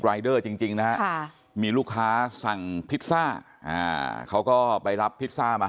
รายเดอร์จริงนะมีลูกค้าสั่งพิสซ่าเขาก็ไปรับพิสซ่ามา